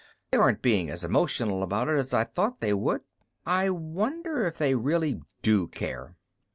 They aren't being as emotional about it as I thought they would. I wonder if they really do care.